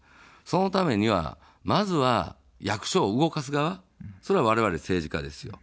そのためには、まずは役所を動かす側、それはわれわれ政治家ですよ。